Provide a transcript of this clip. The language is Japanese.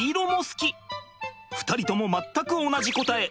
２人とも全く同じ答え。